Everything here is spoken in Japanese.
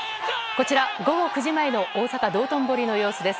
こちら、午後９時前の大阪・道頓堀の様子です。